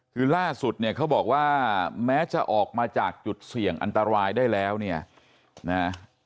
คือล่าสุดเนี่ยเขาบอกว่าแม้จะออกมาจากจุดเสี่ยงอันตรายได้แล้วเนี่ยนะ